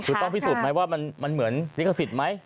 คือต้องพิสูจนไหมว่ามันเหมือนลิขสิทธิ์ไหม